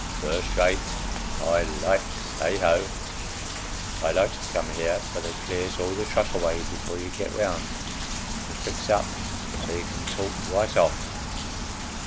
] First rate. I likes heigho! I likes to come here, for they clears all the truck away before you get round, and fix up so you can talk right off.